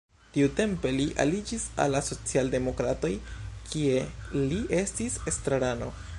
Tiutempe li aliĝis al la socialdemokratoj, kie li estis estrarano.